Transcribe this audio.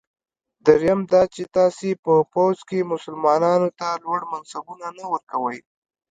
دریم دا چې تاسي په پوځ کې مسلمانانو ته لوړ منصبونه نه ورکوی.